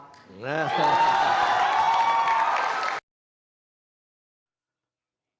ถ้ามีจับมือผมลาออกจากหัวหน้าพรรค